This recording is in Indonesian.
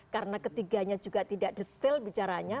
karena ketiganya juga tidak detail bicaranya